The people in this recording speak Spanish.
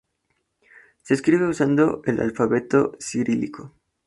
Se escribe usando el alfabeto cirílico.